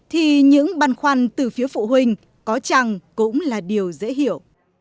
thì những băn khoăn từ phía phụ huynh có chăng cũng là điều dễ hiểu